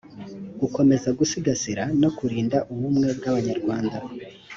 gukomeza gusigasira no kurinda ubumwe bw abanyarwanda